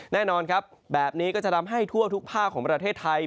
แน่นอนครับแบบนี้ก็จะทำให้ทั่วทุกภาคของประเทศไทย